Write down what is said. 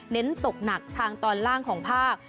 เน้นตกหนักทางตอนล่างของภาค